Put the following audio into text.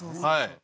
はい。